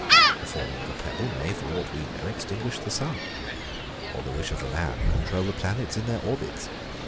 The falling of a pebble may, for aught we know, extinguish the sun; or the wish of a man control the planets in their orbits.